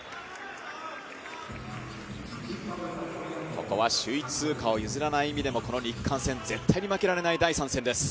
ここは首位通過を譲らない意味でも日韓戦、絶対に負けられない戦いです。